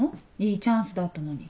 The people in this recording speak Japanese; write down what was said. いいチャンスだったのに。